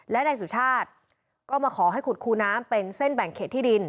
และนายสุชาติก็มาขอให้ขุดคูน้ำเป็นเส้นแบ่งเขตที่ดิน